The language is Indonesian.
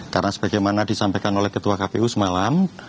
karena sebagaimana disampaikan oleh ketua kpu semalam